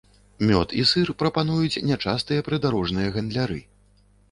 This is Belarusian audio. Мёд і сыр прапануюць нячастыя прыдарожныя гандляры.